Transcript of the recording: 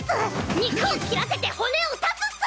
「肉を切らせて骨を断つ」っス！